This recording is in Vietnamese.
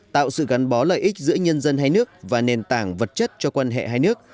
tạo sự gắn bó lợi ích giữa nhân dân hai nước và nền tảng vật chất cho quan hệ hai nước